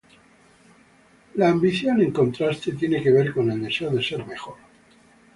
La ambición en contraste, tiene que ver con el deseo de ser mejor.